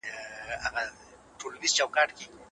په غم او ښادۍ کې ګډون وکړئ.